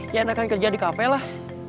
ya enakan kerja di cafe lah